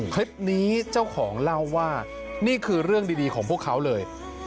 คลิปนี้เจ้าของเล่าว่านี่คือเรื่องดีของพวกเขาเลย